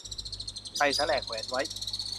ใส่สาแหรกแขวนไว้